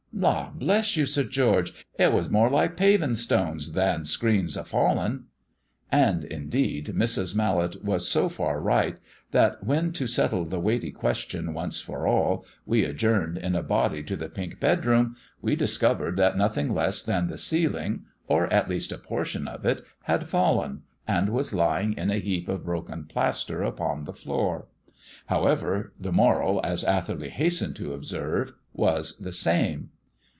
"La' bless you, Sir George, it was more like paving stones than screens a falling." And indeed Mrs. Mallet was so far right, that when, to settle the weighty question once for all, we adjourned in a body to the pink bedroom, we discovered that nothing less than the ceiling, or at least a portion of it, had fallen, and was lying in a heap of broken plaster upon the floor. However, the moral, as Atherley hastened to observe, was the same.